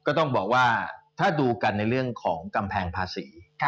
ก็ต้องบอกว่าถ้าดูกันในเรื่องของกำแพงภาษี